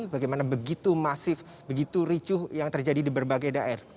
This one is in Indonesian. bagaimana begitu masif begitu ricuh yang terjadi di berbagai daerah